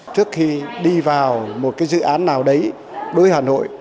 trước khi đi vào một cái dự án nào đấy đối với hà nội